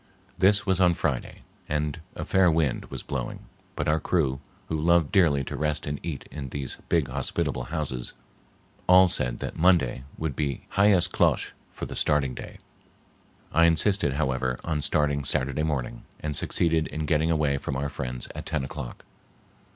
This was on Friday and a fair wind was blowing, but our crew, who loved dearly to rest and eat in these big hospitable houses, all said that Monday would be hyas klosh for the starting day. I insisted, however, on starting Saturday morning, and succeeded in getting away from our friends at ten o'clock.